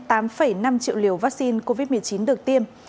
tám năm triệu liều vaccine covid một mươi chín được tiêm